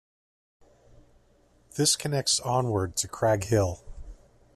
This connects onward to Crag Hill.